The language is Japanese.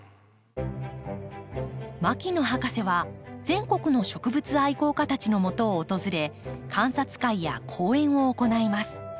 牧野博士は全国の植物愛好家たちのもとを訪れ観察会や講演を行います。